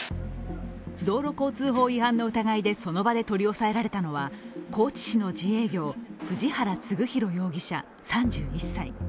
道路交通法違反の疑いでその場で取り押さえられたのは高知市の自営業、藤原嗣大容疑者３１歳。